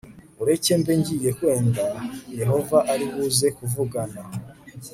ureke mbe ngiye wenda yehova ari buze tuvugane